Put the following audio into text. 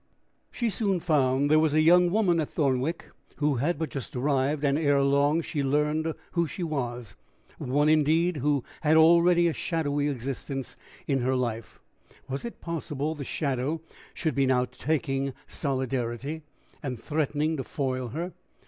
She soon found there was a young woman at Thornwick, who had but just arrived; and ere long she learned who she was one, indeed, who had already a shadowy existence in her life was it possible the shadow should be now taking solidity, and threatening to foil her?